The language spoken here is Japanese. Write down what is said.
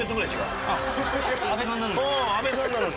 うん阿部さんなのに。